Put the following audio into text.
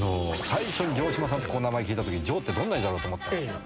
「城島さんって名前聞いたとき城ってどんな字だろうと思った。